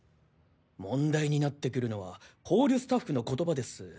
問題になってくるのはホールスタッフの言葉です。